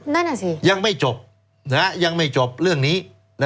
นั่นอ่ะสิยังไม่จบยังไม่จบเรื่องนี้